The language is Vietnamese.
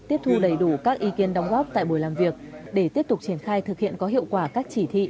tiếp thu đầy đủ các ý kiến đóng góp tại buổi làm việc để tiếp tục triển khai thực hiện có hiệu quả các chỉ thị